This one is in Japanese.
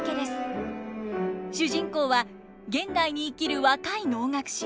主人公は現代に生きる若い能楽師。